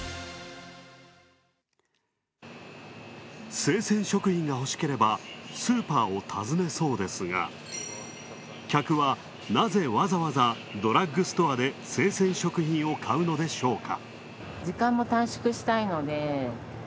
生鮮食品が欲しければスーパーを訪ねそうですが客は、なぜ、わざわざドラッグストアで生鮮食品を買うのでしょうか。